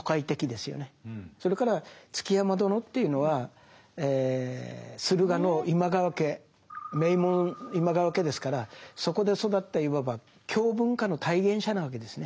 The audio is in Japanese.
それから築山殿というのは駿河の今川家名門今川家ですからそこで育ったいわば京文化の体現者なわけですね。